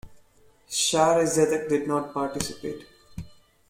Shaare Zedek did not participate.